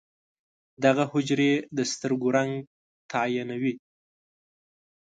دغه حجرې د سترګو رنګ تعیینوي.